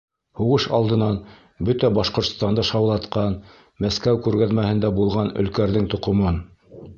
Һуғыш алдынан бөтә Башҡортостанды шаулатҡан, Мәскәү күргәҙмәһендә булған Өлкәрҙең тоҡомон!